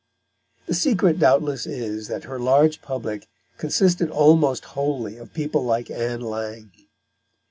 The secret doubtless is that her large public consisted almost wholly of people like Ann Lang.